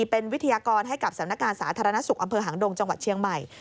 เป็นวิทยากรให้กับสำนักงานสาธารณสุขอำเภอหางดงจังหวัดเชียงใหม่